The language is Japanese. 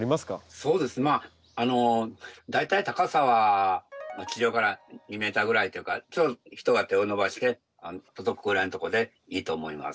そうですねまあ大体高さは地上から２ｍぐらいというかちょうど人が手を伸ばして届くぐらいのところでいいと思います。